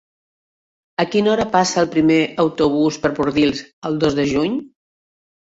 A quina hora passa el primer autobús per Bordils el dos de juny?